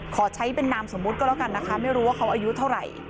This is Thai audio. ขอใช้เป็นนามสมมุติก็แล้วกันนะคะไม่รู้ว่าเขาอายุเท่าไหร่